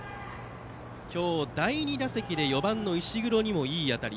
今日第２打席で４番、石黒にもいい当たり。